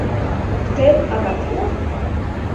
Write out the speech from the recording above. ¿Usted ha partido?